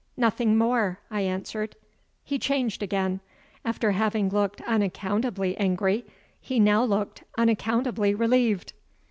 "Nothing more," I answered. He changed again. After having looked unaccountably angry, he now looked unaccountably relieved.